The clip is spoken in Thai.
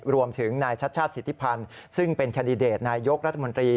รวมถึงนายชัดชาติสิทธิพันธ์ซึ่งเป็นแคนดิเดตนายกรัฐมนตรี